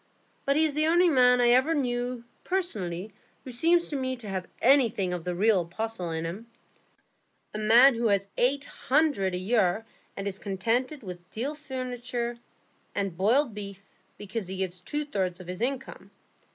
But he's the only man I ever knew personally who seems to me to have anything of the real apostle in him,—a man who has eight hundred a year and is contented with deal furniture and boiled beef because he gives away two thirds of his income.